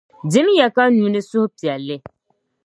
Dim ya ka nyu ni suhupiɛlli.